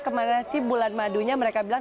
kemarin si bulan madunya mereka bilang